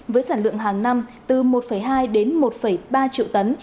với sản lượng hàng năm từ một hai đến một ba triệu tấn